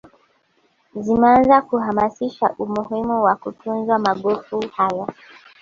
zimeanza kuhamasisha umuhimu wa kutunzwa magofu haya